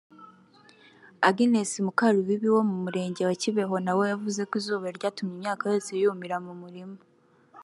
Agnes Mukarubibi wo mu murenge wa Kibeho na we yavuze ko izuba ryatumye imyaka yose yumira mu murima